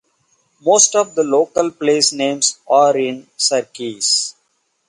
Most of the local placenames are in Sarkese.